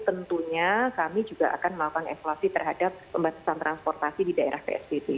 tentunya kami juga akan melakukan evaluasi terhadap pembatasan transportasi di daerah psbb